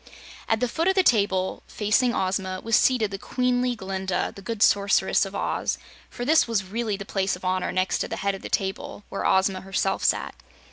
At the foot of the table, facing Ozma, was seated the queenly Glinda, the good Sorceress of Oz, for this was really the place of honor next to the head of the table where Ozma herself sat.